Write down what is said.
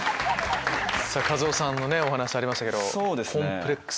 カズオさんのお話ありましたけど。